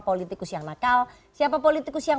politikus yang nakal siapa politikus yang